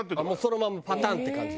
そのままパタンって感じ？